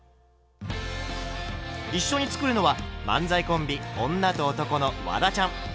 一緒に作るのは漫才コンビ「女と男」のワダちゃん。